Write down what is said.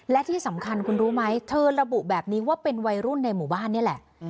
และที่สำคัญคุณรู้ไหมเธอระบุแบบนี้ว่าเป็นวัยรุ่นในหมู่บ้านนี่แหละ